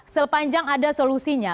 selpanjang ada solusinya